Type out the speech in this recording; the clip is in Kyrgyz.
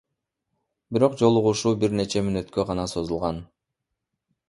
Бирок жолугушуу бир нече мүнөткө гана созулган.